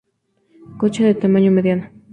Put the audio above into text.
Concha de tamaño mediano.